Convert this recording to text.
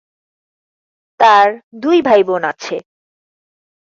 তার দুই ভাই-বোন আছে।